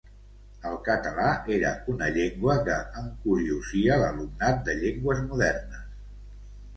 El català era una llengua que encuriosia l’alumnat de llengües modernes.